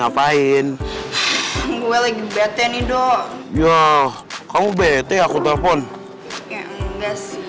coba kalau mereka gak curang